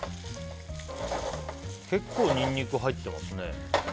結構ニンニク入ってますね。